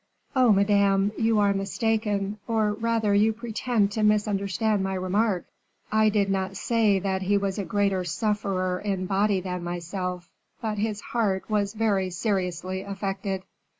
"Oh, Madame, you are mistaken, or rather you pretend to misunderstand my remark. I did not say that he was a greater sufferer in body than myself; but his heart was very seriously affected."